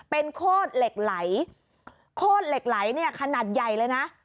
เป็นโคตรเหล็กไหลโคตรเหล็กไหลเนี่ยขนาดใหญ่เลยนะ